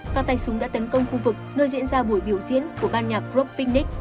các tay súng đã tấn công khu vực nơi diễn ra buổi biểu diễn của ban nhạc group picnic